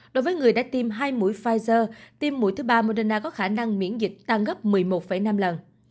đối với người đã tiêm hai mũi pfizer tim mũi thứ ba moderna có khả năng miễn dịch tăng gấp một mươi một năm lần